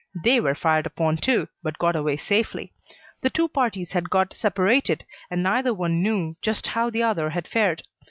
They were fired upon too, but got away safely. The two parties had got separated, and neither one knew just how the other had fared.